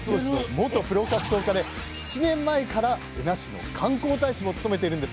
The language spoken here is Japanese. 元プロ格闘家で７年前から恵那市の観光大使も務めてるんです。